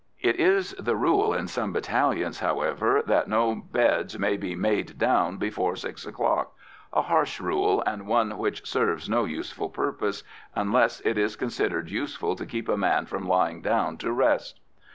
It is the rule in some battalions, however, that no beds may be "made down" before six o'clock a harsh rule, and one which serves no useful purpose, unless it be considered useful to keep a man from lying down to rest.